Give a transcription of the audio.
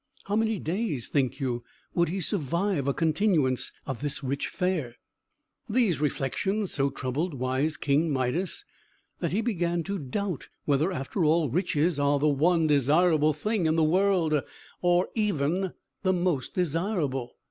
How many days, think you, would he survive a continuance of this rich fare? These reflections so troubled wise King Midas, that he began to doubt whether, after all, riches are the one desirable thing in the world, or even the most desirable.